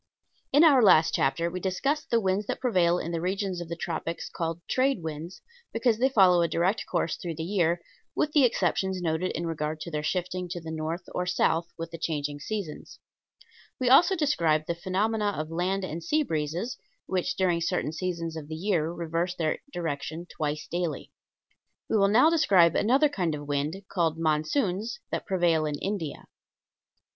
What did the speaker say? In our last chapter we discussed the winds that prevail in the regions of the tropics called trade winds, because they follow a direct course through the year, with the exceptions noted in regard to their shifting to the north or south with the changing seasons; we also described the phenomena of land and sea breezes, which during certain seasons of the year reverse their direction twice daily. We will now describe another kind of wind, called monsoons, that prevail in India.